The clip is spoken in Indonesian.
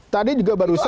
tadi juga barusan